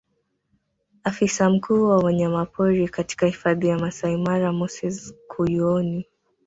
Afisa mkuu wa wanyamapori katika hifadhi ya Maasai Mara Moses Kuyuoni